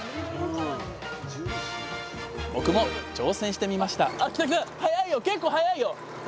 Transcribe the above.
僕も挑戦してみました